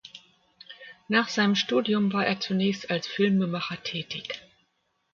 Nach seinem Studium war er zunächst als Filmemacher tätig.